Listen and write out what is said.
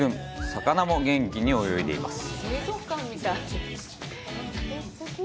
魚も元気に泳いでいます。